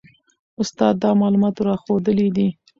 استاد دا معلومات راښوولي دي.